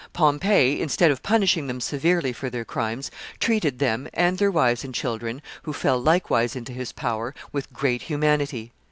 Pompey, instead of punishing them severely for their crimes, treated them, and their wives and children, who fell likewise into his power, with great humanity.